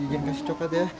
igin kasih coket ya